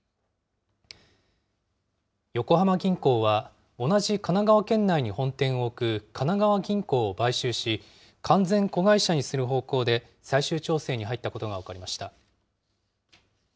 横浜銀行は、同じ神奈川県内に本店を置く神奈川銀行を買収し、完全子会社にする方向で最終調整に入ったことが分かりました。